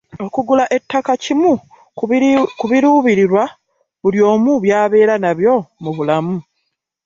Okugula ettaka kimu ku biruubirirwa buli omu byabeera nabyo mu bulamu.